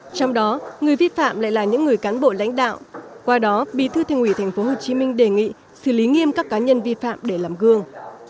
trong đó người vi phạm lại là những người cán bộ lãnh đạo qua đó bí thư thành ủy tp hcm đề nghị xử lý nghiêm các cá nhân vi phạm để làm gương